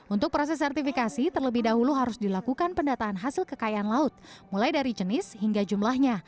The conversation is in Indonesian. untuk proses sertifikasi terlebih dahulu harus dilakukan pendataan hasil kekayaan laut mulai dari jenis hingga jumlahnya